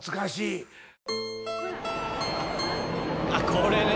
これね。